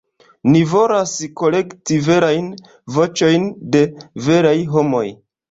Ni volas kolekti verajn voĉojn de veraj homoj.